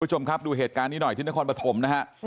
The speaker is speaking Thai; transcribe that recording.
คุณผู้ชมครับดูเหตุการณ์นี้หน่อยที่นครปฐมนะฮะ